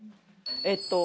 えっと